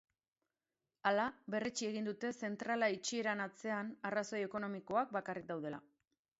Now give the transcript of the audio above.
Hala, berretsi egin dute zentrala itxieran atzean arrazoi ekonomikoak bakarrik daudela.